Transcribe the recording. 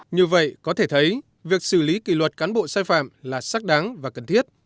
như vậy có thể thấy việc xử lý kỷ luật cán bộ sai phạm là xác đáng và cần thiết